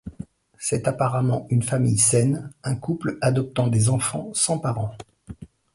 C'est apparemment une famille saine, un couple adoptant des enfants sans parents.